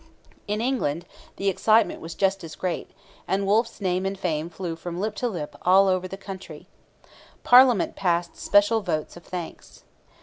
In England the excitement was just as great, and Wolfe's name and fame flew from lip to lip all over the country. Parliament passed special votes of thanks.